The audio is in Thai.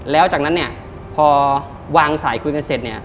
แล้วจากนั้นเนี่ยพอวางสายคุยกันเสร็จเนี่ย